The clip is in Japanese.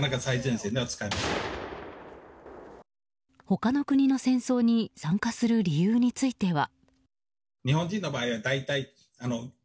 他の国の戦争に参加する理由については。